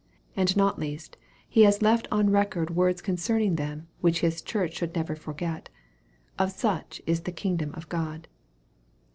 And not least, He has left on record words concerning them, which His Church should never forget, " Of such is the kingdom of God."